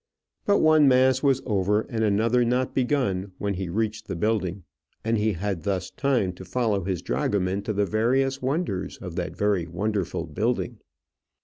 But one mass was over and another not begun when he reached the building, and he had thus time to follow his dragoman to the various wonders of that very wonderful building.